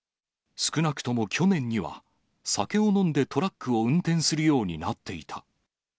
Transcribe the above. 少なくとも去年には、酒を飲んでトラックを運転するようになっていた。